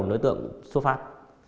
đối tượng xuất phát